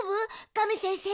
ガメ先生。